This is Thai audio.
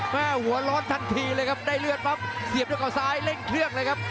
หัวร้อนทันทีเลยครับได้เลือดปั๊บเสียบด้วยเขาซ้ายเร่งเครื่องเลยครับ